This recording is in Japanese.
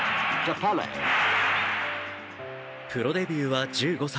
プロデビューは１５歳。